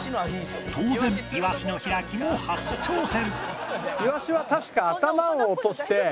当然いわしの開きも初挑戦